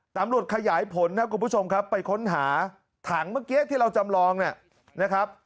ตำรวจขยายผลครับคุณผู้ชมครับไปค้นหาถังเมื่อกี้ที่เราจำลองเนี่ยนะครับ